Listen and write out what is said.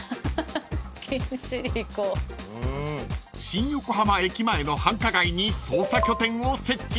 ［新横浜駅前の繁華街に捜査拠点を設置］